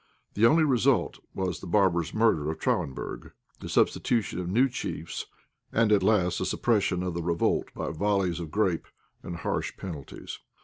The only result was the barbarous murder of Traubenberg, the substitution of new chiefs, and at last the suppression of the revolt by volleys of grape and harsh penalties.